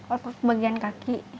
otak bagian kaki